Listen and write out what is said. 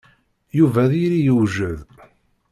Yuba ad yili yewjed.